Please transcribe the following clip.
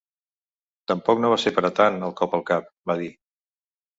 "Tampoc no va ser per a tant el cop al cap", va dir.